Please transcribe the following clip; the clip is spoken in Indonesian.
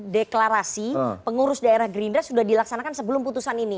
deklarasi pengurus daerah gerindra sudah dilaksanakan sebelum putusan ini